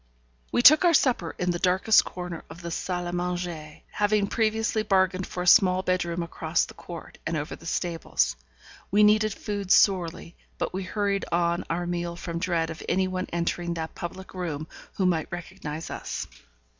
We took our supper in the darkest corner of the salle à manger, having previously bargained for a small bedroom across the court, and over the stables. We needed food sorely; but we hurried on our meal from dread of any one entering that public room who might recognize us.